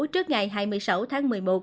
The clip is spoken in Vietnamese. trước ngày hai mươi sáu tháng một mươi một